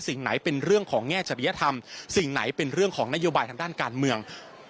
สิ่งไหนเป็นเรื่องของแง่จริยธรรมสิ่งไหนเป็นเรื่องของนโยบายทางด้านการเมือง